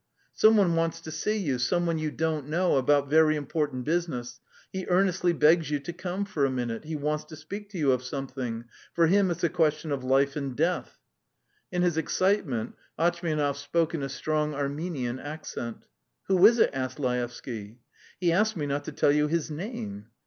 "Some one wants to see you, some one you don't know, about very important business; he earnestly begs you to come for a minute. He wants to speak to you of something. ... For him it's a question of life and death. ..." In his excitement Atchmianov spoke in a strong Armenian accent. "Who is it?" asked Laevsky. "He asked me not to tell you his name."